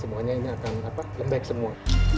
semuanya ini akan lembek semua